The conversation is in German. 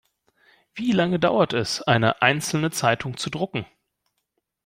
Wie lange dauert es, eine einzelne Zeitung zu drucken?